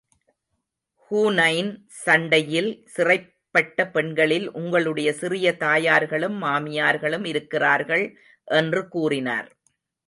ஹூனைன் சண்டையில் சிறைப்பட்ட பெண்களில் உங்களுடைய சிறிய தாயார்களும், மாமியார்களும் இருக்கிறார்கள் என்று கூறினார்.